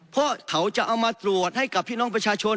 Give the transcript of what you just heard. เพราะเขาจะเอามาตรวจให้กับพี่น้องประชาชน